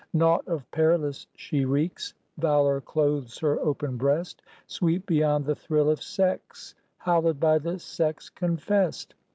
Nought of perilous she reeks; Valour clothes her open breast; Sweet beyond the thrill of sex; Hallowed by the sex confessed.